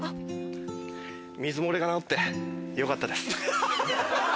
水漏れが直ってよかったです。